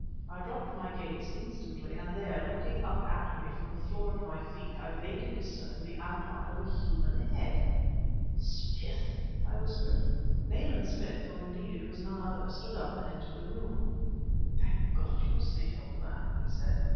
I dropped my gaze instantly ... and there, looking up at me from the floor at my feet, I vaguely discerned the outline of a human head! "Smith!" I whispered. Nayland Smith for indeed it was none other stood up and entered the room. "Thank God you are safe, old man," he said.